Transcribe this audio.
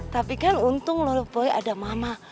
tapi kan untung loh boy ada mama